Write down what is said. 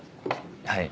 はい。